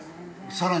さらに？